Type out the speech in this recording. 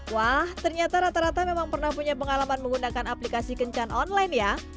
wah ternyata rata rata memang pernah punya pengalaman menggunakan aplikasi kencan online ya